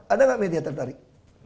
ada gak media tertarik